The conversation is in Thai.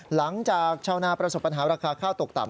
ชาวนาประสบปัญหาราคาข้าวตกต่ำ